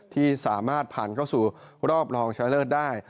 ที่สามารถผ่านเข้าสู่รอบรองชนะเลิศได้